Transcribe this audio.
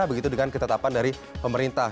begitu dengan ketetapan dari pemerintah